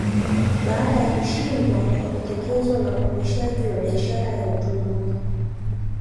Baada ya kushindwa kwa pendekezo la ukomeshaji wa biashara ya utumwa